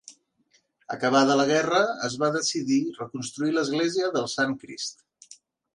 Acabada la Guerra es va decidir reconstruir l'església del Sant Crist.